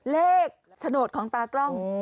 เลขฉโนตของตากล้อง